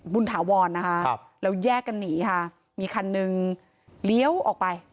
ถาวรนะคะแล้วแยกกันหนีค่ะมีคันหนึ่งเลี้ยวออกไป